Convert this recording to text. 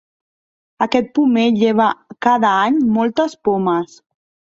Aquest pomer lleva cada any moltes pomes.